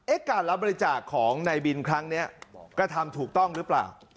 การรับบริจาคของนายบินครั้งนี้กระทำถูกต้องหรือเปล่า